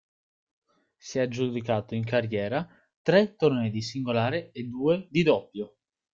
Si è aggiudicato in carriera tre tornei di singolare e due di doppio.